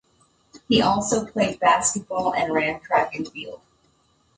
He also played basketball and ran track and field.